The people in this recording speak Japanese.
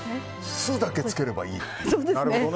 酢だけつければいいと。